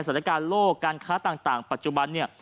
สถานการณ์โลกการค้าต่างปัจจุบันเนี่ย